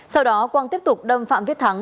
sau đó quang tiếp tục đâm phạm viết thắng